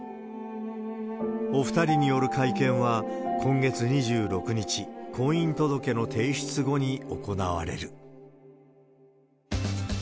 お２人による会見は、今月２６日、婚姻届の提出後に行われる。